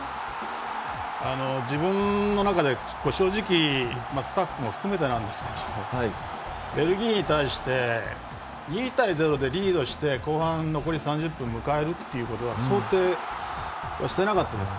自分の中で正直スタッフも含めてベルギーに対して２対０でリードして後半残り３０分を迎えるということは想定してなかったです。